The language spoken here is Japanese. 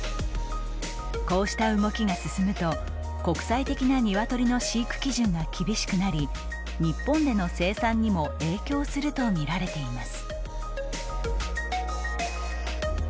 こうした動きが進むと国際的な鶏の飼育基準が厳しくなり日本での生産にも影響すると見られています。